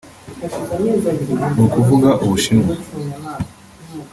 ni ukuvuga u Bushinwa